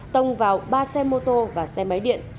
tông vào ba xe mô tô và xe máy điện